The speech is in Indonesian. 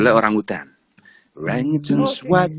lagunya mungkin ditis tis dikit ke netizen